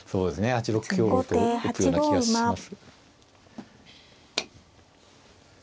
８六香と打つような気がします。